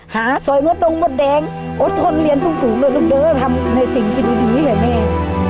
คาซอยมดดงมดแดงอดทนลินทุกลูกเด้อทำสิ่งที่ดีให้แม่